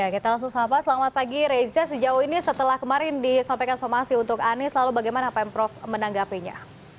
kita langsung sama pak selamat pagi reza sejauh ini setelah kemarin disampaikan somasi untuk anies lalu bagaimana pemprov menanggapinya